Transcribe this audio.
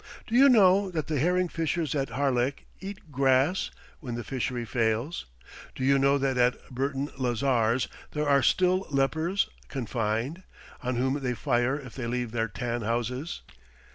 Do you know that the herring fishers at Harlech eat grass when the fishery fails? Do you know that at Burton Lazars there are still lepers confined, on whom they fire if they leave their tan houses!